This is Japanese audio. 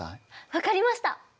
分かりました！